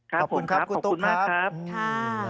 ขอบคุณครับขอบคุณมากครับคุณตุ๊กครับค่ะค่ะ